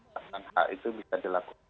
bahkan hak itu bisa dilakukan